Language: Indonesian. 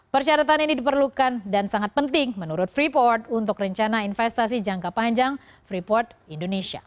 persyaratan ini diperlukan dan sangat penting menurut freeport untuk rencana investasi jangka panjang freeport indonesia